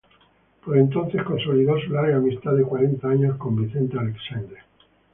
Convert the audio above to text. Por entonces consolidó su larga amistad de cuarenta años con Vicente Aleixandre.